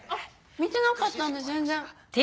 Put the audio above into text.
見てなかったんで全然。